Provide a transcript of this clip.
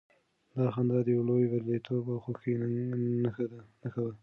دا خندا د يو لوی برياليتوب او خوښۍ نښه وه.